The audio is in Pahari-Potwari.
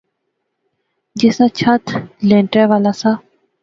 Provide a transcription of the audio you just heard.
جس ناں چھت لینٹرے والا سا